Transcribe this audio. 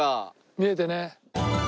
見えてね。